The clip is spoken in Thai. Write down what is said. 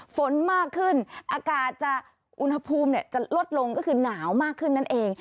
ฝนมากขึ้นอากาศจะอุณหภูมิจะลดลงก็คือหนาวมากขึ้นนั่นเอง